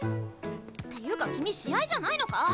っていうか君試合じゃないのか？